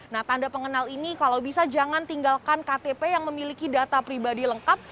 nah tanda pengenal ini kalau bisa jangan tinggalkan ktp yang memiliki data pribadi lengkap